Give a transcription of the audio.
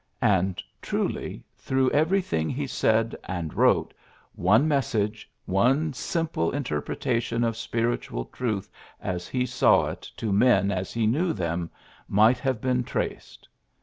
And, truly, through everything he said and wrote, one message, one simple inter pretation of spiritual truth as he saw it to men as he knew them, might have been traced.